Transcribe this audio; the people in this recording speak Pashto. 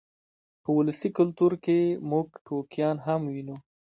په ولسي کلتور کې موږ ټوکیان هم وینو.